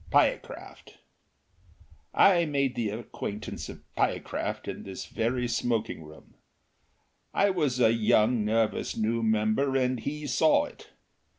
Pyecraft . I made the acquaintance of Pyecraft in this very smoking room. I was a young, nervous new member, and he saw it.